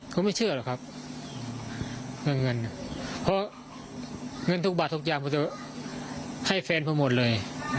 เขาไม่เชื่อหรอกครับเรื่องเงินเพราะเงินทุกบาททุกอย่างผมจะให้แฟนผมหมดเลย